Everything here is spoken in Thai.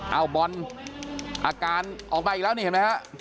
เอาบอลอาการออกมาอีกแล้วนี่เห็นไหมฮะ